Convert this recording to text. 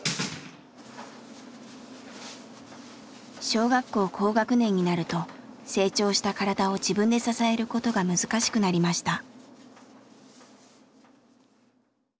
小学校高学年になると成長した体を自分で支えることが難しくなりました。